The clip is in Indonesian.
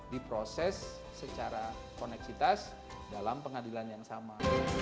diproses secara koneksitas dalam pengadilan yang sama